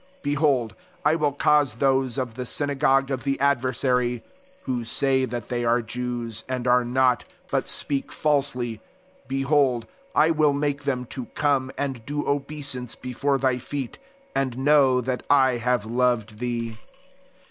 9 Behold, I will cause those of the syna gogue of the adversary* (who say that they are Jews, and are not, but speak falsely, behold, I will make them) to come, and do obeisance before thy feet, and know that I have loved thee.